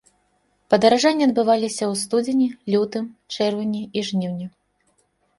Падаражанні адбываліся ў студзені, лютым, чэрвені і жніўні.